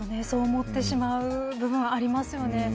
そう思ってしまう部分もありますよね。